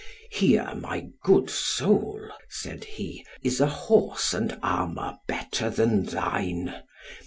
"Here, my good soul," said he, "is a horse and armour better than thine.